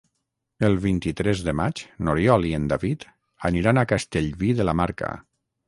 El vint-i-tres de maig n'Oriol i en David aniran a Castellví de la Marca.